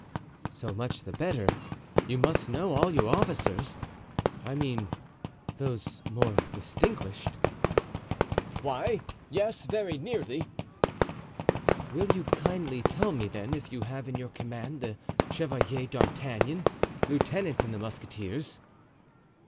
"So much the better. You must know all your officers—I mean those more distinguished." "Why, yes, very nearly." "Will you then kindly tell me if you have in your command the Chevalier d'Artagnan, lieutenant in the musketeers?"